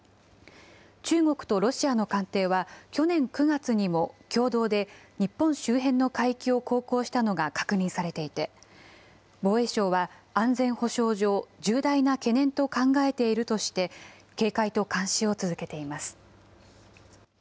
中国とロシアの艦艇は、去年９月にも共同で日本周辺の海域を航行したのが確認されていて、防衛省は安全保障上、重大な懸念と考えているとして、警戒と監視を続けています。